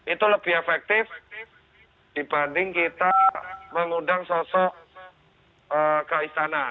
itu lebih efektif dibanding kita mengundang sosok ke istana